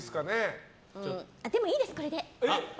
でもいいです、これで。